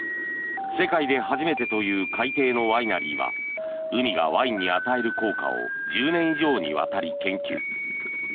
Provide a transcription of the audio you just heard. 世界で初めてという海底のワイナリーは海がワインに与える効果を１０年以上にわたり研究。